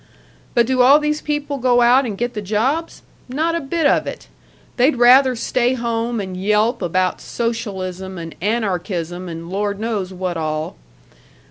But do all these people go out and get the jobs? Not a bit of it! They'd rather stay home and yelp about socialism and anarchism and Lord knows what all.